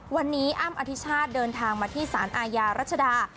วันนี้อ้ำอธิชาติเดินทางมาที่สารอาญารัชดา